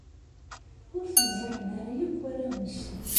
Ur ten-ẓerren ara akk warraw-nsen.